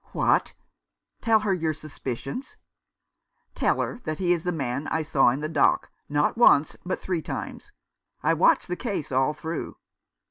" What ! Tell her your suspicions ?"" Tell her that he is the man I saw in the dock — not once, but three times. I watched the case all through."